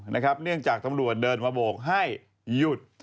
เนื่องจากตำรวจเดินมาโบกให้หยุด